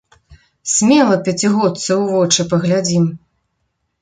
Смела пяцігодцы ў вочы паглядзім.